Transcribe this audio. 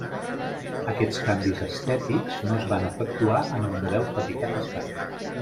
Aquests canvis estètics no es van efectuar en el model fabricat a Espanya.